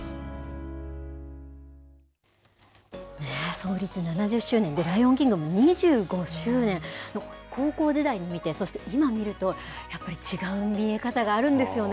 創立７０周年で、ライオンキングも２５周年、高校時代に見て、そして今見ると、やっぱり違う見え方があるんですよね。